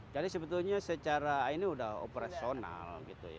jadi sebetulnya secara ini sudah operasional